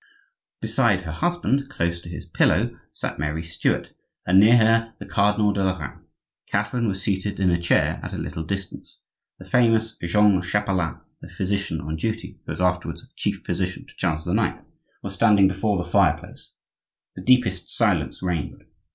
Beside her husband, close to his pillow, sat Mary Stuart, and near her the Cardinal de Lorraine. Catherine was seated in a chair at a little distance. The famous Jean Chapelain, the physician on duty (who was afterwards chief physician to Charles IX.) was standing before the fireplace. The deepest silence reigned.